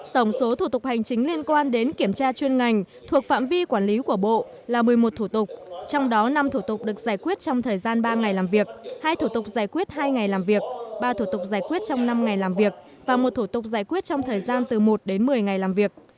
tổng số thủ tục hành chính liên quan đến kiểm tra chuyên ngành thuộc phạm vi quản lý của bộ là một mươi một thủ tục trong đó năm thủ tục được giải quyết trong thời gian ba ngày làm việc hai thủ tục giải quyết hai ngày làm việc ba thủ tục giải quyết trong năm ngày làm việc và một thủ tục giải quyết trong thời gian từ một đến một mươi ngày làm việc